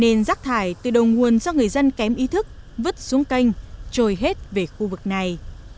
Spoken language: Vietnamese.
nếu không có rác thải nên rác thải từ đầu nguồn do người dân kém ý thức vứt xuống canh trôi hết về khu vực này